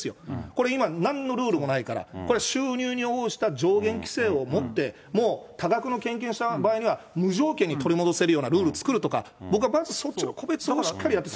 これ、今、なんのルールもないから、これ、収入に応じた上限規制をもって、もう多額の献金をした場合には、無条件に取り戻せるようなルールを作るとか、僕はまずその個別をしっかりやって。